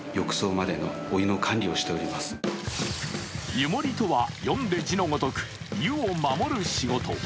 湯守とは、読んで字のごとく、湯を守る仕事。